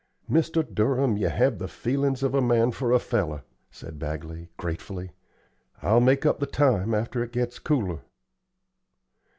"Mr. Durham, you have the feelin's of a man for a feller," said Bagley, gratefully. "I'll make up the time arter it gets cooler."